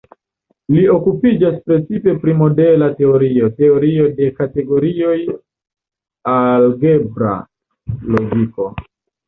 Li okupiĝas precipe pri modela teorio, teorio de kategorioj, algebra logiko.